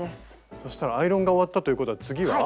そしたらアイロンが終わったということは次は？